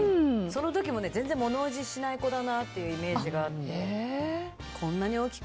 その時も全然物おじしない子だなというイメージがあって。